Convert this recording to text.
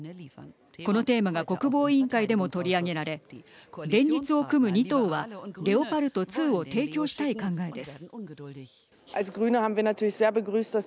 このテーマが国防委員会でも取り上げられ連立を組む２党はレオパルト２を提供したい考えです。